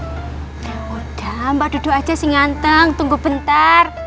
ya udah mbak dudu aja sih nganteng tunggu bentar